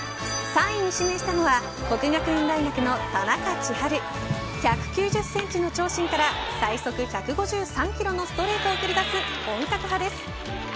３位に指名したのは国学院大学の田中千晴１９０センチの長身から最速１５３キロのストレートを繰り出す本格派です。